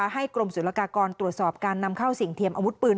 กรมศุลกากรตรวจสอบการนำเข้าสิ่งเทียมอาวุธปืน